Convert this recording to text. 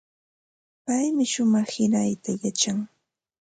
Paymi shumaq sirayta yachan.